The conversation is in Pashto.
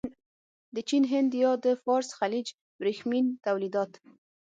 د چین، هند یا د فارس خلیج ورېښمین تولیدات.